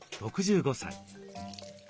６５歳。